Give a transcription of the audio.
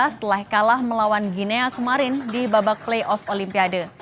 setelah kalah melawan ginea kemarin di babak playoff olimpiade